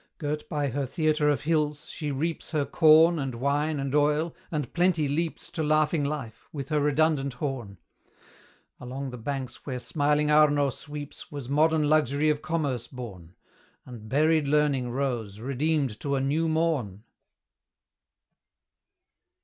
Girt by her theatre of hills, she reaps Her corn, and wine, and oil, and Plenty leaps To laughing life, with her redundant horn. Along the banks where smiling Arno sweeps, Was modern Luxury of Commerce born, And buried Learning rose, redeemed to a new morn.